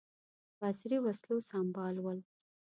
په عصري وسلو سمبال ول.